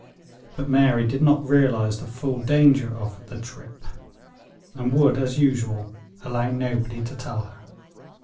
But Mary did not realize the full danger of the trip, and would, as usual, allow nobody to tell her.